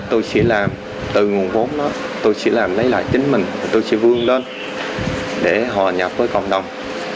tôi chỉ làm từ nguồn vốn đó tôi chỉ làm lấy lại chính mình tôi chỉ vương lên để họ nhập với cộng đồng